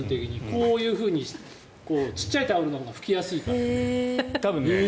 こういうふうにちっちゃいタオルのほうが拭きやすいから。